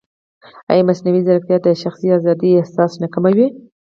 ایا مصنوعي ځیرکتیا د شخصي ازادۍ احساس نه کموي؟